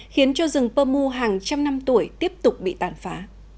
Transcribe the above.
khiến cho rừng pomu hàng trăm năm tuổi tiếp tục bị tàn phá